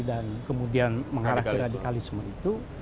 dan kemudian mengarah ke radikalisme itu